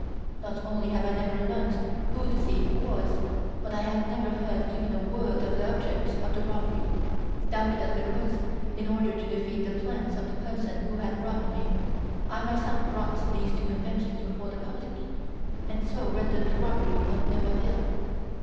Not only have I never learnt who the thief was, but I have never heard even a word of the object of the robbery, doubtless because, in order to defeat the plans of the person who had robbed me, I myself brought these two inventions before the public, and so rendered the robbery of no avail.